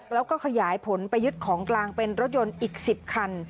แล้วก็ขยายผลไปยึดของกลางเป็นรถยนต์อีก๑๐คัน